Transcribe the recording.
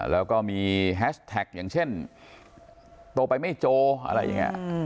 แล้วก็มีแฮชแท็กอย่างเช่นโตไปไม่โจอะไรอย่างนี้